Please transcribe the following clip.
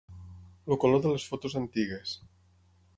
El color de les fotos antigues.